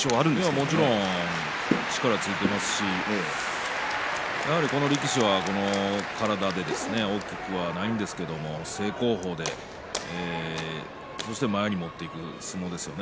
もちろん力もつけていますし、やはりこの力士は体も大きくないんですけれども正攻法でそして前に持っていく相撲ですね。